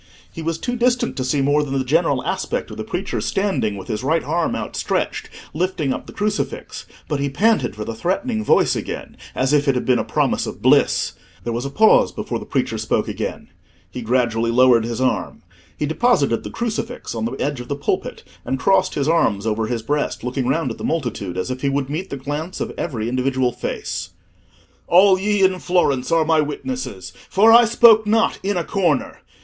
He was too distant to see more than the general aspect of the preacher standing, with his right arm outstretched, lifting up the crucifix; but he panted for the threatening voice again as if it had been a promise of bliss. There was a pause before the preacher spoke again. He gradually lowered his arm. He deposited the crucifix on the edge of the pulpit, and crossed his arms over his breast, looking round at the multitude as if he would meet the glance of every individual face. "All ye in Florence are my witnesses, for I spoke not in a corner.